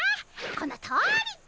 このとおり！